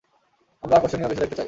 আমরা আকর্ষণীয় কিছু দেখতে চাই।